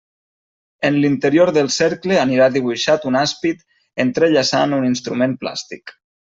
En l'interior del cercle anirà dibuixat un àspid entrellaçant un instrument plàstic.